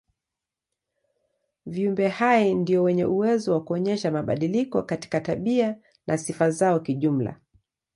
Viumbe hai ndio wenye uwezo wa kuonyesha mabadiliko katika tabia na sifa zao kijumla.